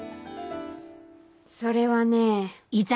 それはね。